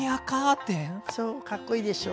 そうかっこいいでしょ。